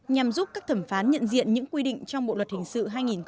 nhằm giúp các thẩm phán nhận diện những quy định trong bộ luật hình sự hai nghìn một mươi năm